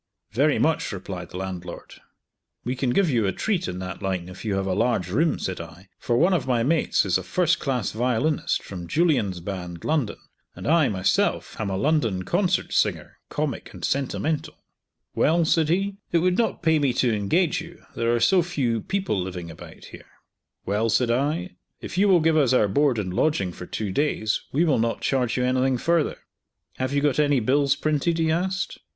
"Very much," replied the landlord. "We can give you a treat in that line if you have a large room," said I, "for one of my mates is a first class violinist from Julien's Band, London, and I, myself, am a London concert singer, comic and sentimental." "Well," said he, "It would not pay me to engage you. There are so few people living about here." "Well," said I, "If you will give us our board and lodging for two days we will not charge you anything further." "Have you got any bills printed?" he asked.